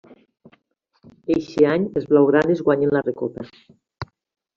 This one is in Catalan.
Eixe any els blaugranes guanyen la Recopa.